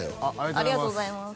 ありがとうございます